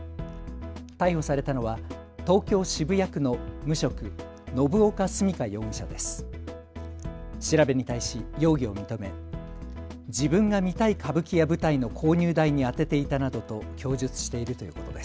逮捕されたのは東京渋谷区の無職、信岡純佳容疑者です。